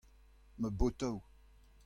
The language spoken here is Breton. Ma botoù.